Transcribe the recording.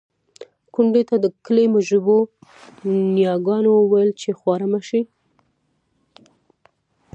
کونډې ته د کلي مجربو نياګانو وويل چې خواره مه شې.